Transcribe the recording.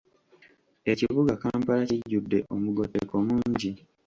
Ekibuga Kampala kijjudde omugotteko mungi.